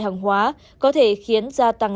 hàng hóa có thể khiến gia tăng